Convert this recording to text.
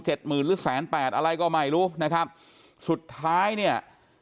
หรือ๑๘๐๐๐๐อะไรก็ไม่รู้นะครับสุดท้ายเนี่ย